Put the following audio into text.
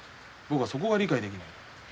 僕はそこが理解できないよ。